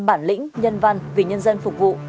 bản lĩnh nhân văn vị nhân dân phục vụ